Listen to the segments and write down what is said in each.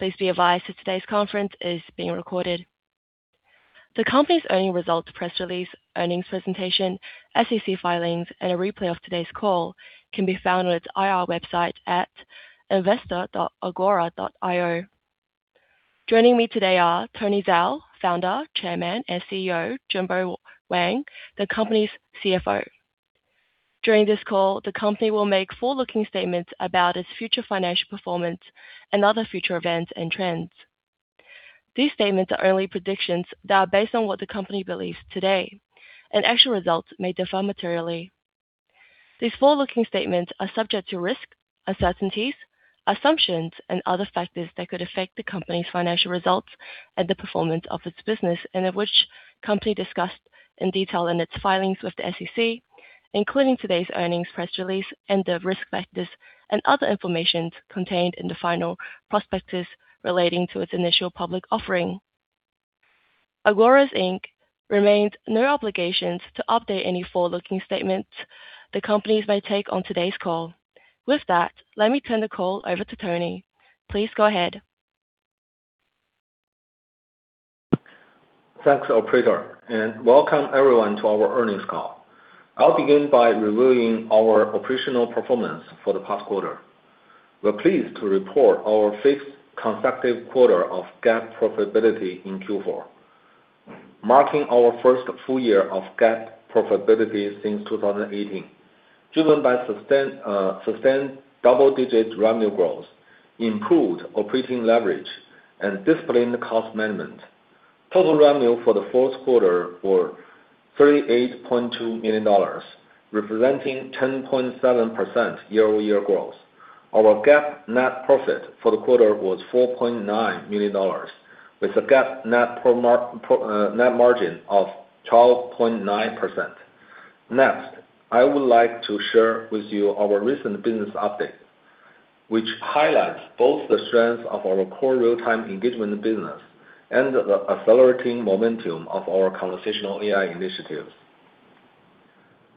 Please be advised that today's conference is being recorded. The company's earnings results press release, earnings presentation, SEC filings, and a replay of today's call can be found on its IR website at investor.agora.io. Joining me today are Tony Zhao, Founder, Chairman, and CEO, Jingbo Wang, the company's CFO. During this call, the company will make forward-looking statements about its future financial performance and other future events and trends. These statements are only predictions that are based on what the company believes today. Actual results may differ materially. These forward-looking statements are subject to risks, uncertainties, assumptions, and other factors that could affect the company's financial results and the performance of its business, and of which company discussed in detail in its filings with the SEC, including today's earnings press release and the risk factors and other information contained in the final prospectus relating to its initial public offering. Agora, Inc remains no obligations to update any forward-looking statements the companies may take on today's call. With that, let me turn the call over to Tony. Please go ahead. Thanks, operator. Welcome everyone to our earnings call. I'll begin by reviewing our operational performance for the past quarter. We're pleased to report our fifth consecutive quarter of GAAP profitability in Q4, marking our first full year of GAAP profitability since 2018, driven by sustained double-digit revenue growth, improved operating leverage, and disciplined cost management. Total revenue for the fourth quarter were $38.2 million, representing 10.7% year-over-year growth. Our GAAP net profit for the quarter was $4.9 million, with a GAAP net margin of 12.9%. I would like to share with you our recent business update, which highlights both the strength of our core real-time engagement business and the accelerating momentum of our conversational AI initiatives.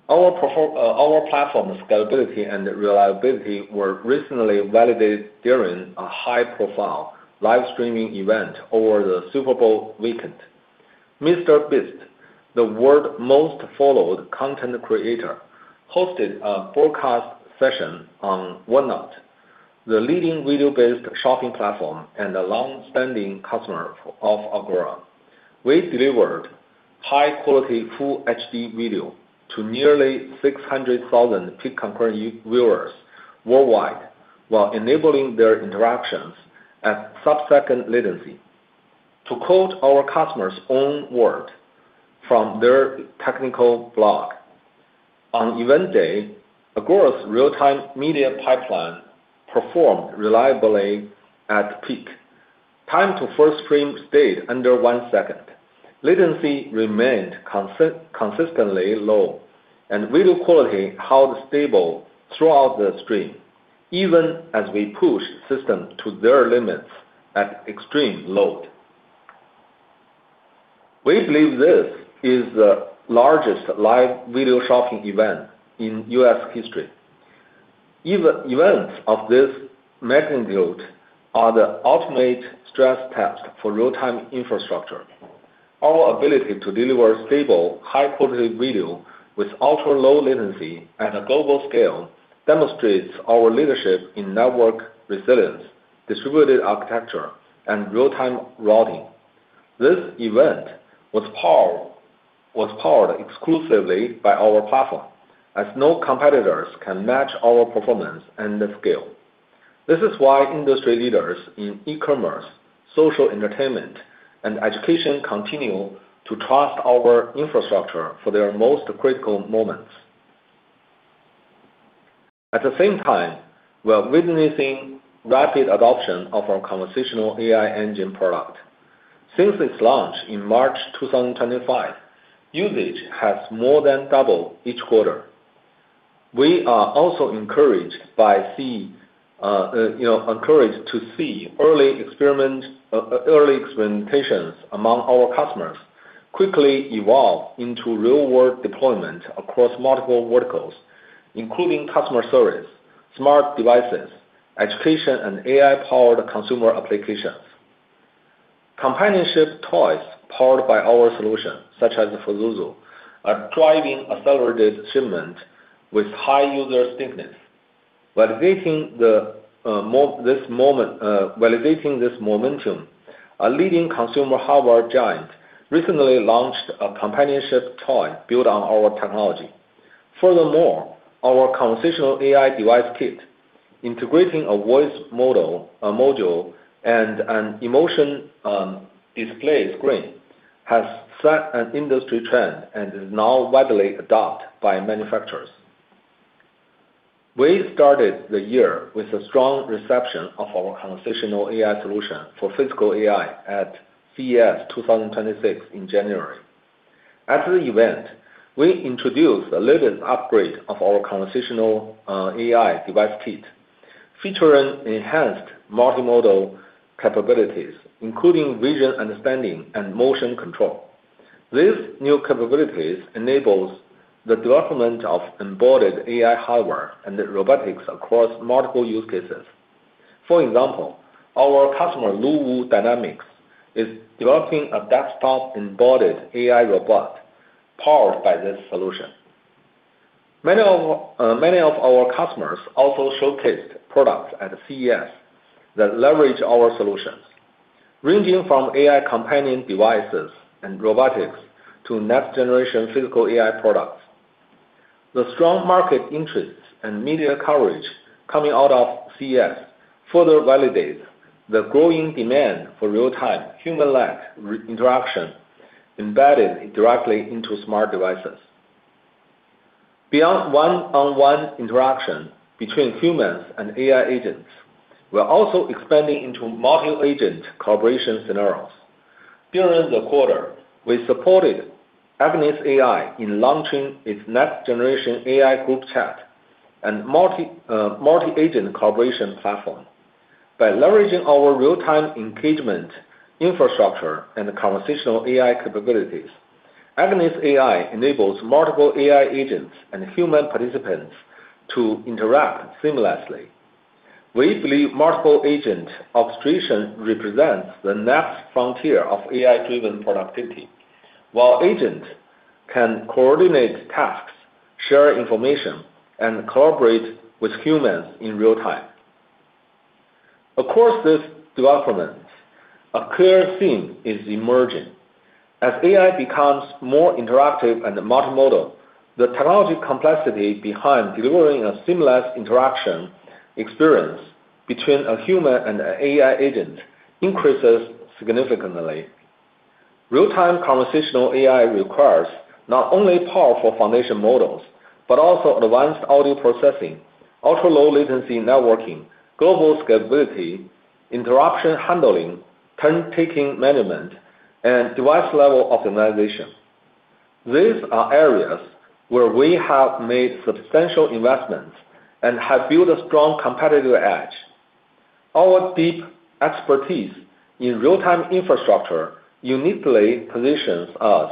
Our platform scalability and reliability were recently validated during a high-profile live streaming event over the Super Bowl weekend. MrBeast, the world most-followed content creator, hosted a forecast session on Whatnot the leading video-based shopping platform and a long-standing customer of Agora. We delivered high-quality full HD video to nearly 600,000 peak concurrent viewers worldwide while enabling their interactions at sub-second latency. To quote our customer's own word from their technical blog, "On event day, Agora's real-time media pipeline performed reliably at peak. Time to first stream stayed under one second. Latency remained consistently low, and video quality held stable throughout the stream, even as we pushed systems to their limits at extreme load." We believe this is the largest live video shopping event in U.S. history. Events of this magnitude are the ultimate stress test for real-time infrastructure. Our ability to deliver stable, high-quality video with ultra-low latency at a global scale demonstrates our leadership in network resilience, distributed architecture, and real-time routing. This event was powered exclusively by our platform, as no competitors can match our performance and the scale. This is why industry leaders in e-commerce, social entertainment, and education continue to trust our infrastructure for their most critical moments. At the same time, we are witnessing rapid adoption of our Conversational AI Engine product. Since its launch in March 2025, usage has more than doubled each quarter. We are also encouraged to see, you know, early experimentations among our customers quickly evolve into real-world deployment across multiple verticals, including customer service, smart devices, education, and AI-powered consumer applications. Companionship toys powered by our solution, such as Fuzozo, are driving accelerated shipment with high user stickiness. Validating this momentum, a leading consumer hardware giant recently launched a companionship toy built on our technology. Furthermore, our Conversational AI Device Kit, integrating a voice module and an emotion display screen, has set an industry trend and is now widely adopted by manufacturers. We started the year with a strong reception of our conversational AI solution for physical AI at CES 2026 in January. At the event, we introduced the latest upgrade of our Conversational AI Device Kit, featuring enhanced multimodal capabilities, including vision understanding and motion control. These new capabilities enables the development of embodied AI hardware and robotics across multiple use cases. For example, our customer, Luwu Dynamics, is developing a desktop embodied AI robot powered by this solution. Many of our customers also showcased products at CES that leverage our solutions, ranging from AI companion devices and robotics to next-generation physical AI products. The strong market interest and media coverage coming out of CES further validates the growing demand for real-time human-like re-interaction embedded directly into smart devices. Beyond one-on-one interaction between humans and AI agents, we're also expanding into module agent collaboration scenarios. During the quarter, we supported Agnes AI in launching its next-generation AI group chat and multi-agent collaboration platform. By leveraging our real-time engagement infrastructure and conversational AI capabilities, Agnes AI enables multiple AI agents and human participants to interact seamlessly. We believe multiple agent observation represents the next frontier of AI-driven productivity. While agent can coordinate tasks, share information, and collaborate with humans in real time. This development, a clear theme is emerging. As AI becomes more interactive and multimodal, the technology complexity behind delivering a seamless interaction experience between a human and an AI agent increases significantly. Real-time conversational AI requires not only powerful foundation models, but also advanced audio processing, ultra-low latency networking, global scalability, interruption handling, turn-taking management, and device-level optimization. These are areas where we have made substantial investments and have built a strong competitive edge. Our deep expertise in real-time infrastructure uniquely positions us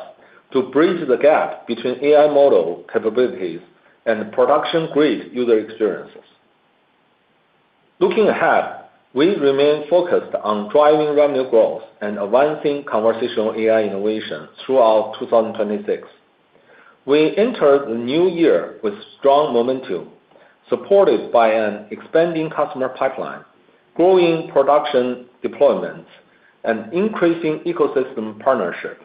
to bridge the gap between AI model capabilities and production-grade user experiences. Looking ahead, we remain focused on driving revenue growth and advancing conversational AI innovation throughout 2026. We enter the new year with strong momentum, supported by an expanding customer pipeline, growing production deployments, and increasing ecosystem partnership.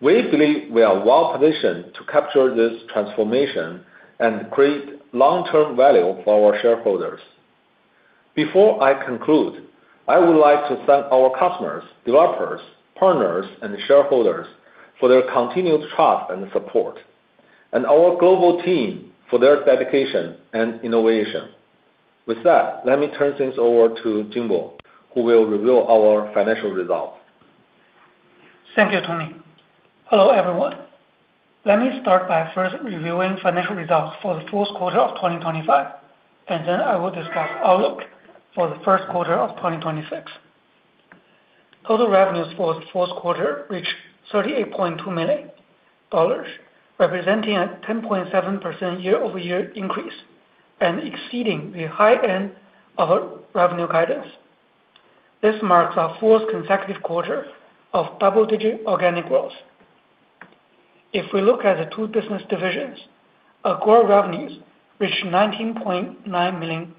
We believe we are well-positioned to capture this transformation and create long-term value for our shareholders. Before I conclude, I would like to thank our customers, developers, partners, and shareholders for their continued trust and support. Our global team for their dedication and innovation. With that, let me turn things over to Jingbo, who will reveal our financial results. Thank you, Tony. Hello, everyone. Let me start by first reviewing financial results for the fourth quarter of 2025, and then I will discuss outlook for the first quarter of 2026. Total revenues for the fourth quarter reached $38.2 million, representing a 10.7% year-over-year increase and exceeding the high end of our revenue guidance. This marks our fourth consecutive quarter of double-digit organic growth. If we look at the two business divisions, Agora revenues reached $19.9 million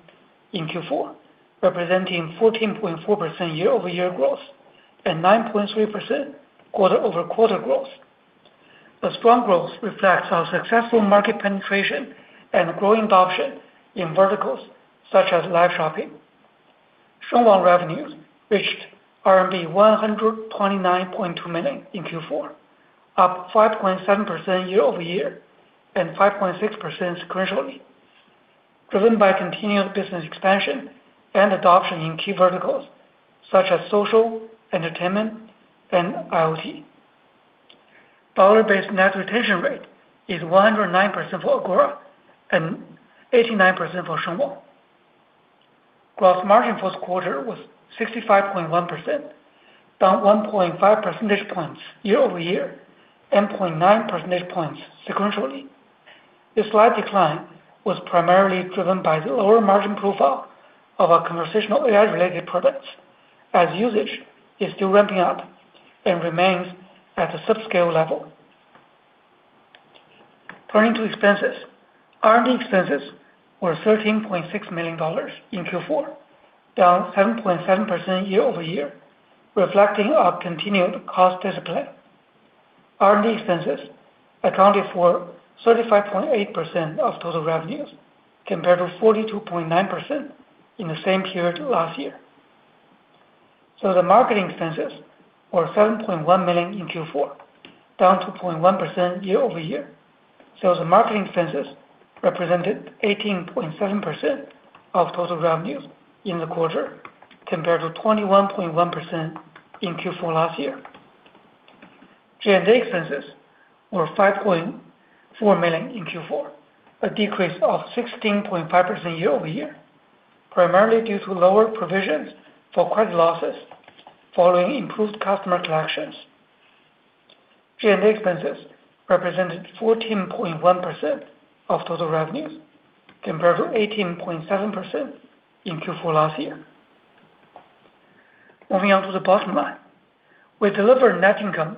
in Q4, representing 14.4% year-over-year growth and 9.3% quarter-over-quarter growth. The strong growth reflects our successful market penetration and growing adoption in verticals such as live shopping. Shengwang revenues reached RMB 129.2 million in Q4, up 5.7% year-over-year and 5.6% sequentially, driven by continued business expansion and adoption in key verticals such as social, entertainment, and IoT. Dollar-based net retention rate is 109% for Agora and 89% for Shengwang. Gross margin for this quarter was 65.1%, down 1.5 percentage points year-over-year, and 0.9 percentage points sequentially. The slight decline was primarily driven by the lower margin profile of our conversational AI-related products, as usage is still ramping up and remains at a sub-scale level. Turning to expenses, R&D expenses were $13.6 million in Q4, down 7.7% year-over-year, reflecting our continued cost discipline. R&D expenses accounted for 35.8% of total revenues, compared to 42.9% in the same period last year. The marketing expenses were $7.1 million in Q4, down to 0.1% year-over-year. The marketing expenses represented 18.7% of total revenue in the quarter, compared to 21.1% in Q4 last year. G&A expenses were $5.4 million in Q4, a decrease of 16.5% year-over-year. Primarily due to lower provisions for credit losses following improved customer collections. G&A expenses represented 14.1% of total revenues compared to 18.7% in Q4 last year. Moving on to the bottom line. We delivered net income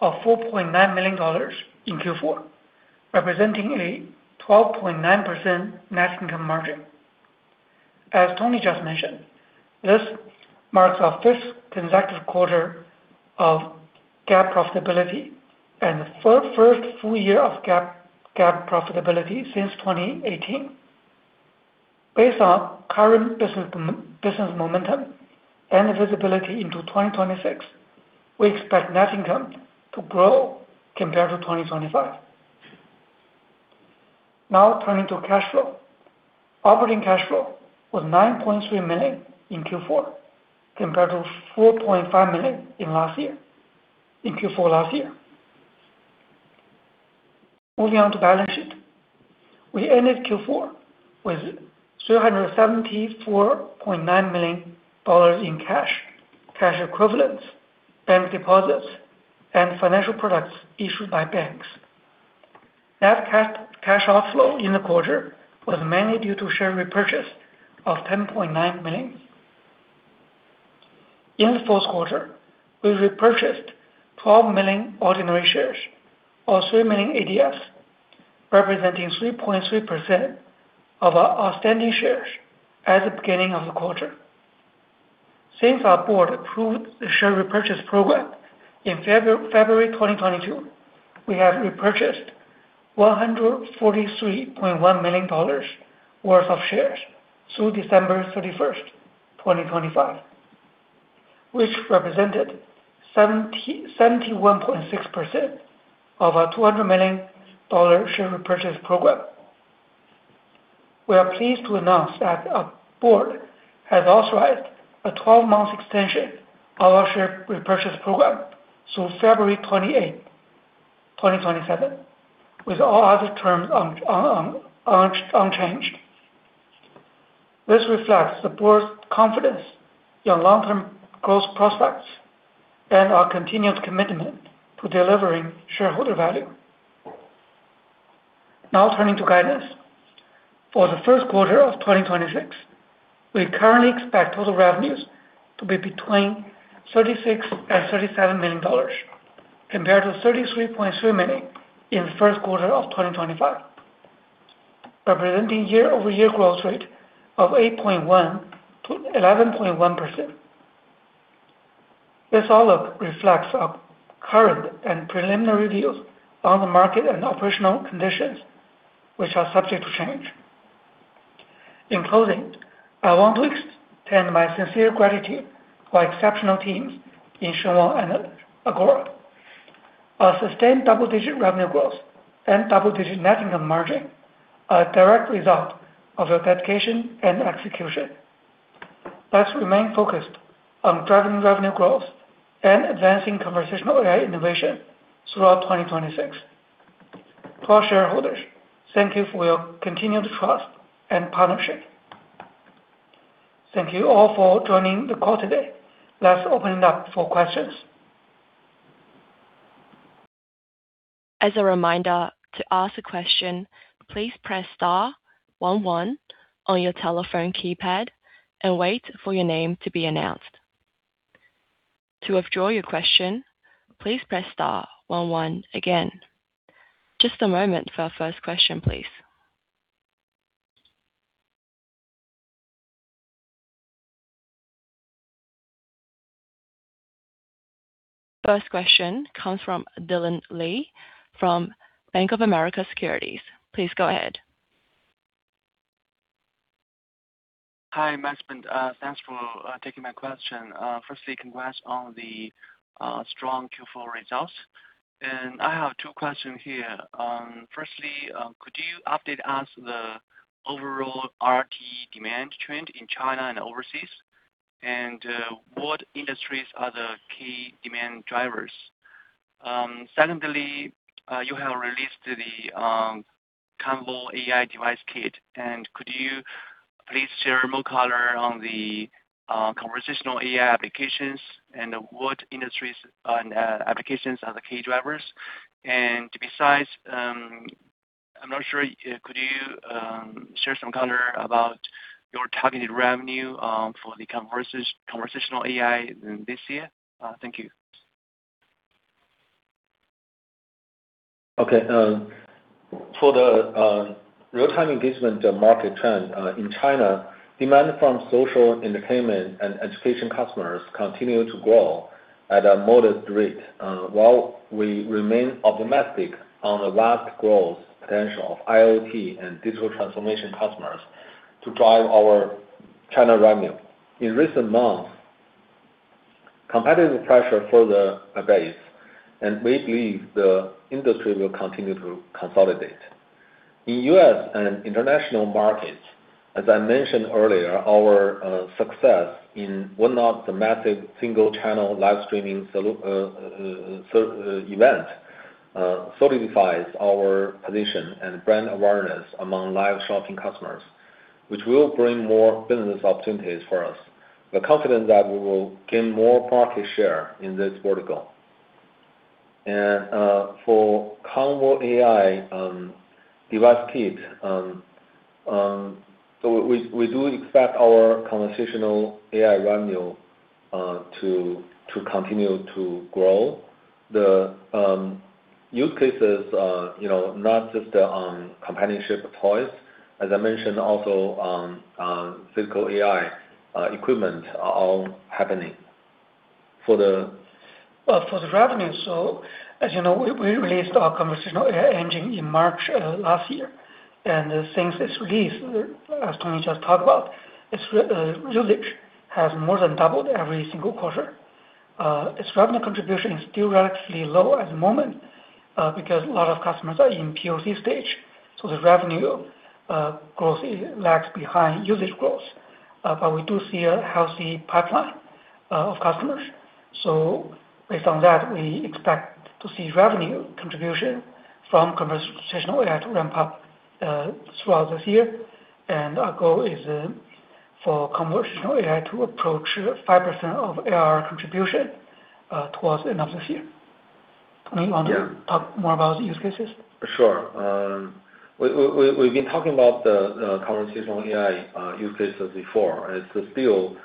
of $4.9 million in Q4, representing a 12.9% net income margin. As Tony just mentioned, this marks our fifth consecutive quarter of GAAP profitability and the first full year of GAAP profitability since 2018. Based on current business momentum and visibility into 2026, we expect net income to grow compared to 2025. Turning to cash flow. Operating cash flow was $9.3 million in Q4 compared to $4.5 million in last year, in Q4 last year. Moving on to balance sheet. We ended Q4 with $374.9 million in cash equivalents, bank deposits, and financial products issued by banks. Net cash outflow in the quarter was mainly due to share repurchase of $10.9 million. In the fourth quarter, we repurchased 12 million ordinary shares or 3 million ADSs, representing 3.3% of our outstanding shares at the beginning of the quarter. Since our board approved the share repurchase program in February 2022, we have repurchased $143.1 million worth of shares through December 31st, 2025, which represented 71.6% of our $200 million share repurchase program. We are pleased to announce that our board has authorized a 12-month extension of our share repurchase program through February 28th, 2027, with all other terms unchanged. This reflects the board's confidence in our long-term growth prospects and our continued commitment to delivering shareholder value. Turning to guidance. For the first quarter of 2026, we currently expect total revenues to be between $36 million and $37 million compared to $33.3 million in the first quarter of 2025, representing year-over-year growth rate of 8.1%-11.1%. This outlook reflects our current and preliminary views on the market and operational conditions, which are subject to change. In closing, I want to extend my sincere gratitude to our exceptional teams in Shengwang and Agora. Our sustained double-digit revenue growth and double-digit net income margin are a direct result of their dedication and execution. Let's remain focused on driving revenue growth and advancing conversational AI innovation throughout 2026. To our shareholders, thank you for your continued trust and partnership. Thank you all for joining the call today. Let's open it up for questions. As a reminder, to ask a question, please press star one one on your telephone keypad and wait for your name to be announced. To withdraw your question, please press star one one again. Just a moment for our first question, please. First question comes from Dillon Lee from Bank of America Securities. Please go ahead. Hi, management. Thanks for taking my question. Firstly, congrats on the strong Q4 results. I have two questions here. Firstly, could you update us the overall RTE demand trend in China and overseas, and what industries are the key demand drivers? Secondly, you have released the ConvoAI Device Kit, and could you please share more color on the conversational AI applications and what industries and applications are the key drivers? Besides, I'm not sure, could you share some color about your targeted revenue for the conversational AI this year? Thank you. Okay. For the real-time engagement market trend in China, demand from social entertainment and education customers continue to grow at a modest rate, while we remain optimistic on the vast growth potential of IoT and digital transformation customers to drive our China revenue. In recent months, competitive pressure further abates, and we believe the industry will continue to consolidate. In U.S. and international markets, as I mentioned earlier, our success in one of the massive single channel live streaming event... Solidifies our position and brand awareness among live shopping customers, which will bring more business opportunities for us. We're confident that we will gain more market share in this vertical. For Conversational AI Device Kit, we do expect our Conversational AI revenue to continue to grow. The use cases, you know, not just companionship toys, as I mentioned, also Physical AI equipment are all happening. For the revenue. As you know, we released our Conversational AI Engine in March last year. Since its release, as Tony just talked about, its usage has more than doubled every single quarter. Its revenue contribution is still relatively low at the moment because a lot of customers are in POC stage, so the revenue growth lags behind usage growth. We do see a healthy pipeline of customers. Based on that, we expect to see revenue contribution from Conversational AI to ramp up throughout this year. Our goal is for Conversational AI to approach 5% of AR contribution towards the end of this year. Tony, you wanna- Yeah. Talk more about the use cases? Sure. We've been talking about the conversational AI use cases before. It's still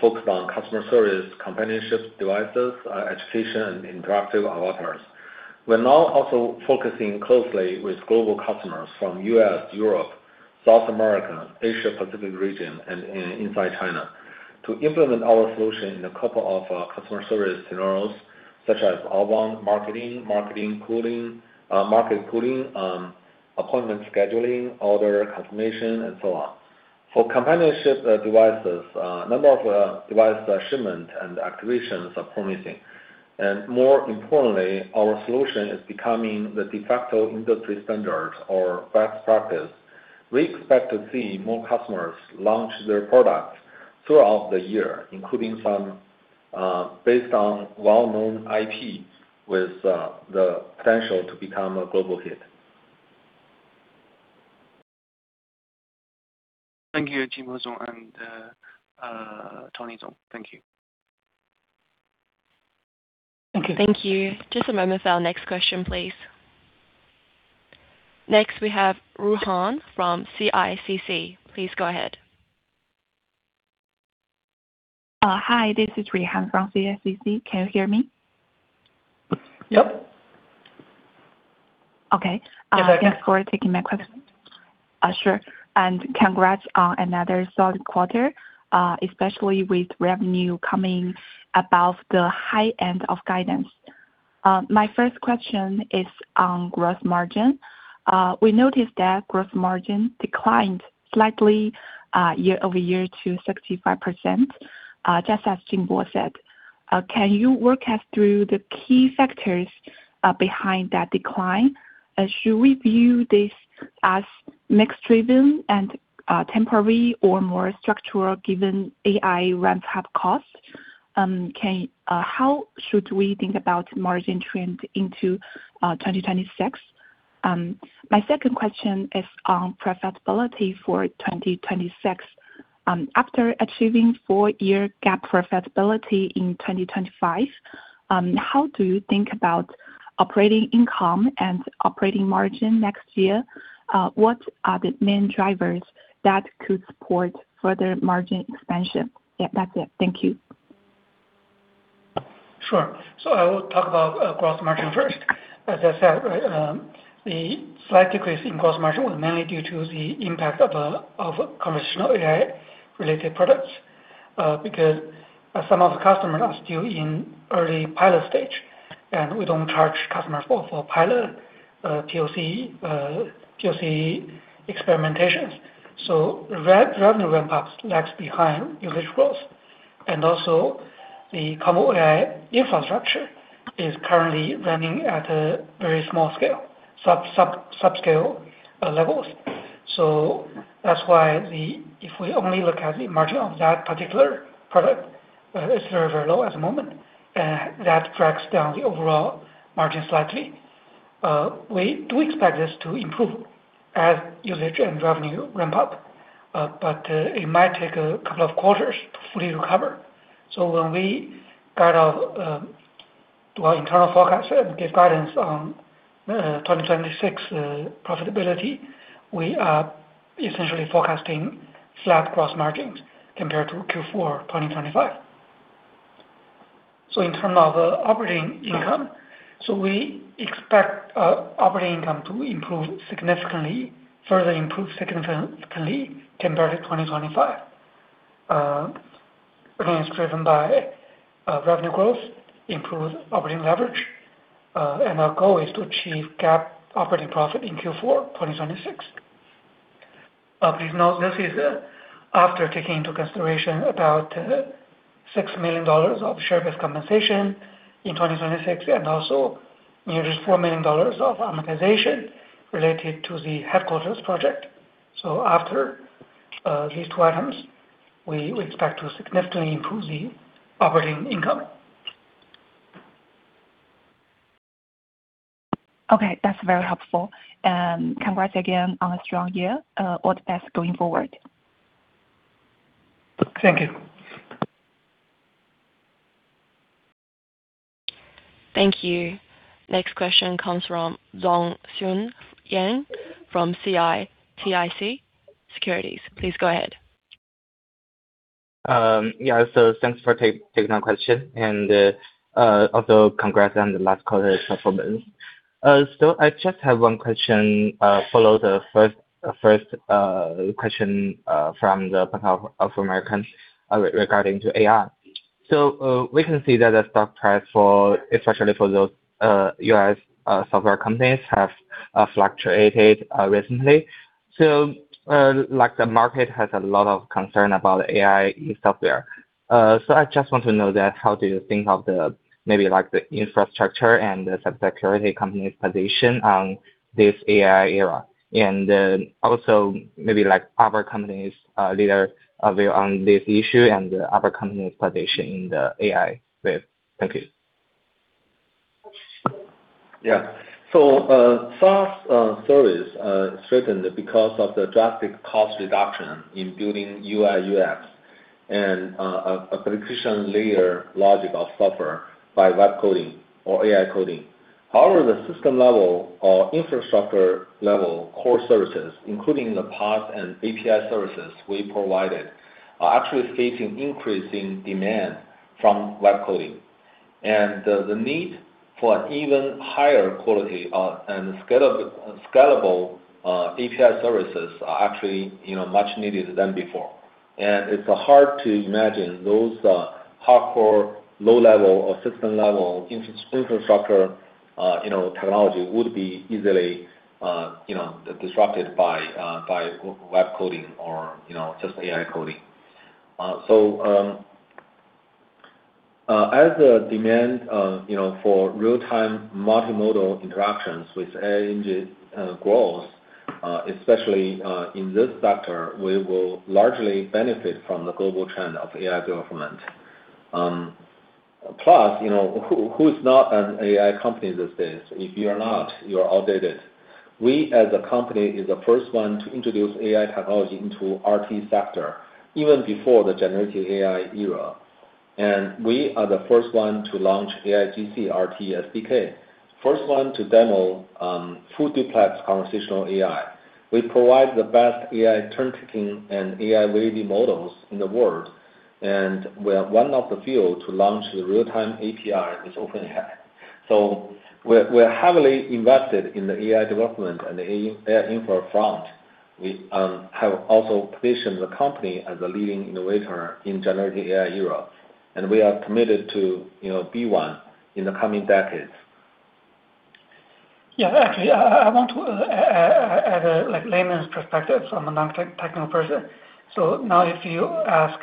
focused on customer service, companionship devices, education, interactive avatars. We're now also focusing closely with global customers from U.S., Europe, South America, Asia, Pacific region, and inside China to implement our solution in a couple of customer service scenarios, such as outbound marketing, market polling, appointment scheduling, order confirmation and so on. For companionship devices, number of device shipment and activations are promising. More importantly, our solution is becoming the de facto industry standard or best practice. We expect to see more customers launch their products throughout the year, including some based on well-known IP with the potential to become a global hit. Thank you, Jingbo Wang and Tony Zhao. Thank you. Thank you. Thank you. Just a moment for our next question, please. Next, we have Han Tao from CICC. Please go ahead. hi, this is Han Tao from CICC. Can you hear me? Yep. Okay. Yes, ma'am. Thanks for taking my question. Sure. Congrats on another solid quarter, especially with revenue coming above the high end of guidance. My first question is on gross margin. We noticed that gross margin declined slightly year-over-year to 65%, just as Jingbo said. Can you walk us through the key factors behind that decline? Should we view this as mix-driven and temporary or more structural, given AI ramp-up costs? How should we think about margin trend into 2026? My second question is on profitability for 2026. After achieving four year GAAP profitability in 2025, how do you think about operating income and operating margin next year? What are the main drivers that could support further margin expansion? Yeah, that's it. Thank you. Sure. I will talk about gross margin first. As I said, the slight decrease in gross margin was mainly due to the impact of Conversational AI-related products because some of the customers are still in early pilot stage, and we don't charge customers for pilot POC experimentations. Revenue ramp-ups lags behind usage growth. Also the Conversational AI infrastructure is currently running at a very small scale, sub-scale levels. That's why if we only look at the margin of that particular product, it's very, very low at the moment, that drags down the overall margin slightly. We do expect this to improve as usage and revenue ramp up, but it might take a couple of quarters to fully recover. When we guide our do our internal forecast and give guidance on 2026 profitability, we are essentially forecasting flat gross margins compared to Q4 2025. In terms of operating income, we expect operating income to improve significantly, further improve significantly compared to 2025. Again, it's driven by revenue growth, improved operating leverage, and our goal is to achieve GAAP operating profit in Q4 2026. Please note this is after taking into consideration about $6 million of share-based compensation in 2026 and also nearly $4 million of amortization related to the headquarters project. After these two items, we expect to significantly improve the operating income. Okay. That's very helpful. Congrats again on a strong year. All the best going forward. Thank you. Thank you. Next question comes from Zhong Xun Yan from CITIC Securities. Please go ahead. Yeah. Thanks for taking my question. Also congrats on the last quarter's performance. I just have one question, follow the first question, from the Bank of America, regarding to AI. We can see that the stock price for, especially for those, U.S. software companies have fluctuated recently. Like the market has a lot of concern about AI software. I just want to know that how do you think of the maybe like the infrastructure and the security company's position on this AI era? Also maybe like other companies, leader view on this issue and other companies' position in the AI space. Thank you. Yeah. SaaS service strengthened because of the drastic cost reduction in building UI/UX and a prediction layer logical software by web coding or AI coding. However, the system level or infrastructure level core services, including the PaaS and API services we provided, are actually facing increasing demand from web coding. The need for even higher quality and scalable API services are actually, you know, much needed than before. It's hard to imagine those hardcore low level or system level infrastructure, you know, technology would be easily, you know, disrupted by web coding or, you know, just AI coding. As the demand, you know, for real-time multimodal interactions with AI engines grows, especially in this sector, we will largely benefit from the global trend of AI development. You know, who's not an AI company these days? If you are not, you are outdated. We as a company is the first one to introduce AI technology into RT sector even before the generative AI era. We are the first one to launch AIGC RT SDK. First one to demo full-duplex conversational AI. We provide the best AI turn-taking and AI waiting models in the world. We are one of the few to launch the real-time API with OpenAI. We're heavily invested in the AI development and AI infra front. We have also positioned the company as a leading innovator in generative AI era, and we are committed to, you know, be one in the coming decades. Yeah. Actually, I want to add a like layman's perspective. I'm a non-tech technical person. Now if you ask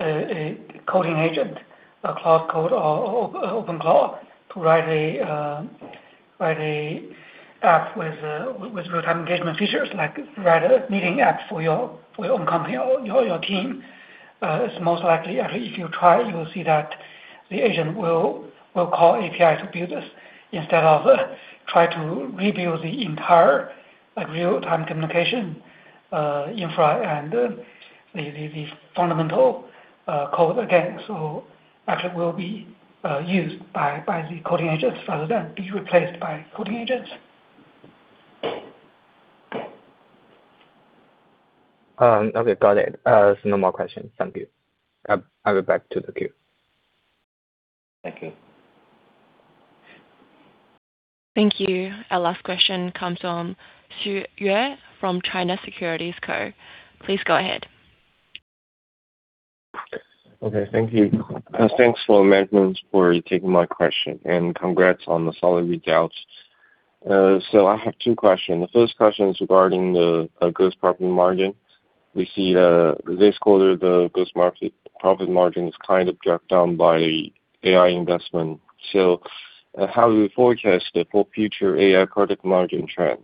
a coding agent, a Claude Code or OpenCode to write a app with real-time engagement features like write a meeting app for your own company or your team, it's most likely... If you try, you'll see that the agent will call API to build this instead of try to rebuild the entire like real-time communication infra and the fundamental code again. Actually will be used by the coding agents rather than be replaced by coding agents. Okay. Got it. No more questions. Thank you. I will back to the queue. Thank you. Thank you. Our last question comes from Xu Yue from China Securities Co. Please go ahead. Okay. Thank you. Thanks for management for taking my question, congrats on the solid results. I have two questions. The first question is regarding the gross profit margin. We see this quarter, the gross market profit margin is kind of dragged down by AI investment. How do you forecast the full future AI product margin trend?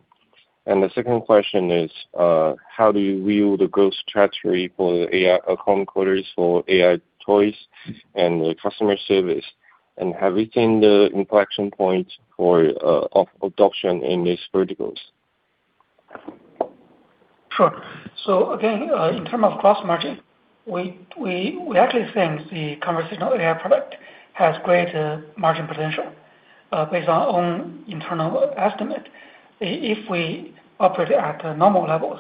The second question is how do you view the growth trajectory for AI, home quarters for AI toys and customer service? Have we seen the inflection point for of adoption in these verticals? Sure. Again, in term of gross margin, we actually think the Conversational AI product has great margin potential based on own internal estimate. If we operate at normal levels,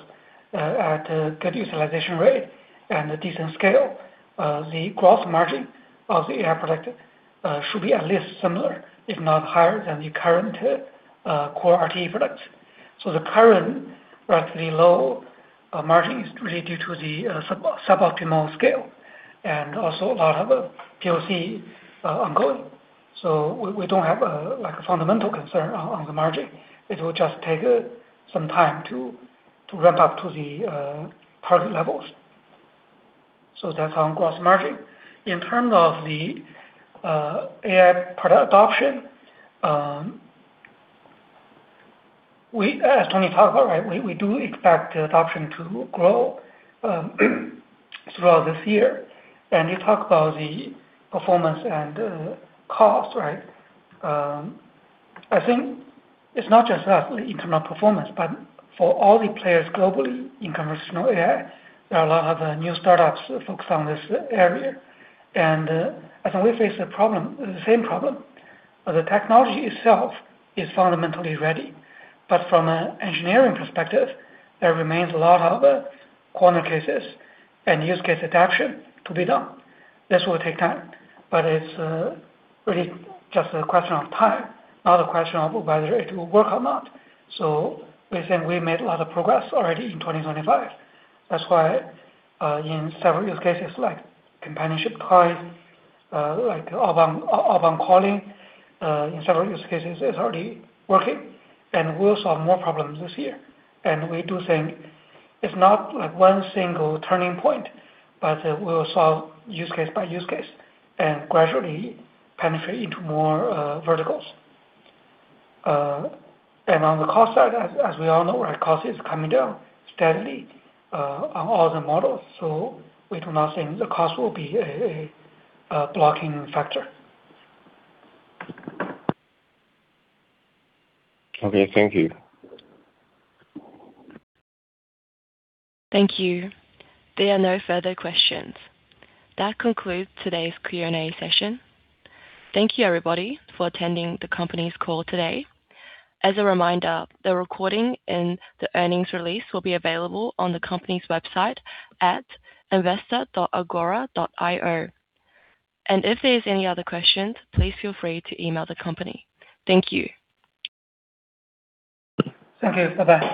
at good utilization rate and a decent scale, the gross margin of the AI product should be at least similar, if not higher than the current core RTE products. The current roughly low margin is really due to the suboptimal scale and also a lot of POC ongoing. We don't have like a fundamental concern on the margin. It will just take some time to ramp up to the product levels. That's on gross margin. In terms of the AI product adoption, We, as Tony talked about, right? We do expect the adoption to grow throughout this year. You talked about the performance and costs, right? I think it's not just us, the internal performance, but for all the players globally in conversational AI, there are a lot of new startups focused on this area. As we face a problem, the same problem, the technology itself is fundamentally ready. From an engineering perspective, there remains a lot of corner cases and use case adaptation to be done. This will take time, but it's really just a question of time, not a question of whether it will work or not. We think we made a lot of progress already in 2025. That's why, in several use cases like companionship clients, and outbound calling, in several use cases it's already working, and we'll solve more problems this year. We do think it's not like one single turning point, but we'll solve use case by use case and gradually penetrate into more verticals. On the cost side, as we all know, right, cost is coming down steadily, on all the models, so we do not think the cost will be a blocking factor. Okay. Thank you. Thank you. There are no further questions. That concludes today's Q&A session. Thank you, everybody, for attending the company's call today. As a reminder, the recording and the earnings release will be available on the company's website at investor.agora.io. If there's any other questions, please feel free to email the company. Thank you. Thank you. Bye-bye.